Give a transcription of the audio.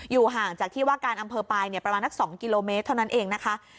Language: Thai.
ห่างจากที่ว่าการอำเภอปลายประมาณนัก๒กิโลเมตรเท่านั้นเองนะคะ